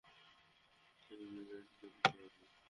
এর ভিডিও কেউ দিতে পারবে?